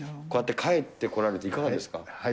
こうやってかえってこられていかがですか。